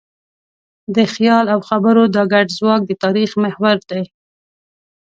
د خیال او خبرو دا ګډ ځواک د تاریخ محور دی.